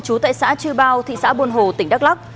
trú tại xã chư bao thị xã buôn hồ tỉnh đắk lắc